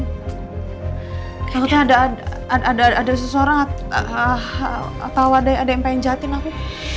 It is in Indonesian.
takutnya ada seseorang atau ada yang pengen jahatin aku